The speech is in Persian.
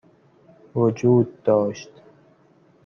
وجود داشت